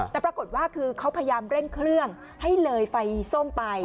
แต่ปรากฏว่าคือเขาพยายามเร่งเครื่องให้เลยไฟส้มไป